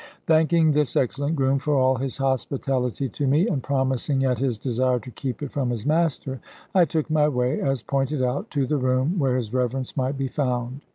Thanking this excellent groom for all his hospitality to me, and promising at his desire to keep it from his master, I took my way (as pointed out) to the room where his Reverence might be found.